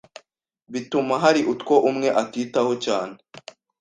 bituma hari utwo umwe atitaho cyane